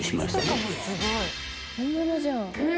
本物じゃん。